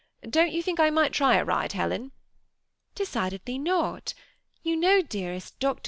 Don't you think I might try a ride, Helen ?"" Decidedly not. You know, dearest. Dr.